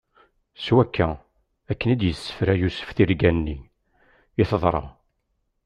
S wakka, akken i d-issefra Yusef tirga-nni, i teḍra.